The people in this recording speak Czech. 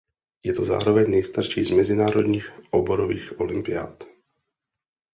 Je to zároveň nejstarší z mezinárodních oborových olympiád.